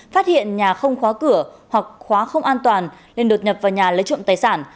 phát hiện nhà không khóa cửa hoặc khóa không an toàn nên đột nhập vào nhà lấy trộm tài sản